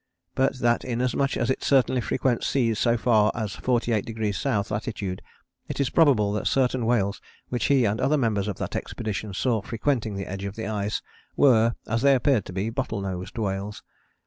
But that inasmuch as it certainly frequents seas so far as 48° S. latitude it is probable that certain whales which he and other members of that expedition saw frequenting the edge of the ice were, as they appeared to be, Bottle nosed whales.